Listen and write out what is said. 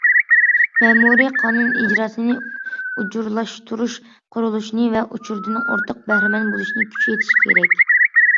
مەمۇرىي قانۇن ئىجراسىنى ئۇچۇرلاشتۇرۇش قۇرۇلۇشىنى ۋە ئۇچۇردىن ئورتاق بەھرىمەن بولۇشىنى كۈچەيتىش كېرەك.